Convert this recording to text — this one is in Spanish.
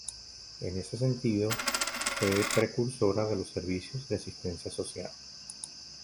En ese sentido fue precursora de los servicios de asistencia social.